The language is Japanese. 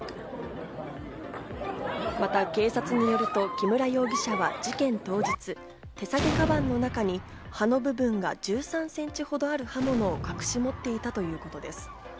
また警察によると、木村容疑者は事件当日、手提げかばんの中に刃の部分が１３センチほどある刃物を隠し持っていたということです。